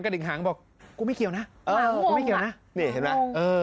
ดิ่งหางบอกกูไม่เกี่ยวนะเออกูไม่เกี่ยวนะนี่เห็นไหมเออ